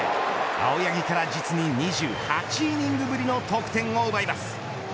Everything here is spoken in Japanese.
青柳から実に２８イニングぶりの得点を奪います。